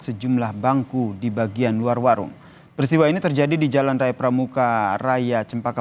sejumlah bangku di bagian luar warung peristiwa ini terjadi di jalan raya pramuka raya cempaka